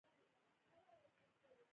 زما په بېګ کښې فدايي واسکټ پروت و.